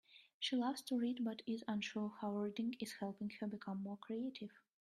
She loves to read, but is unsure how reading is helping her become more creative.